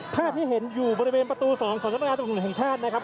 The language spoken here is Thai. ภาพที่เห็นอยู่บริเวณประตู๒ของสำนักงานตำรวจแห่งชาตินะครับ